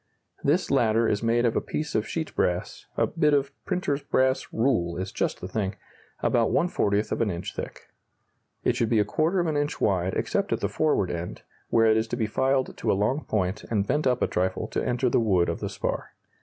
This latter is made of a piece of sheet brass (a bit of printers' brass "rule" is just the thing) about 1/40 of an inch thick. It should be ¼ of an inch wide except at the forward end, where it is to be filed to a long point and bent up a trifle to enter the wood of the spar.